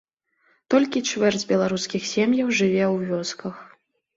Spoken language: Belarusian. Толькі чвэрць беларускіх сем'яў жыве ў вёсках.